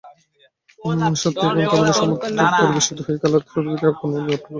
Santiago বার্নাব্যুয় সমর্থক পরিবেষ্টিত হয়ে খেলার শুরু থেকেই আক্রমণে ঝাঁপায় রিয়াল।